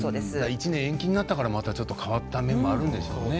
１年延期になったからちょっと変わった面もあるんでしょうね。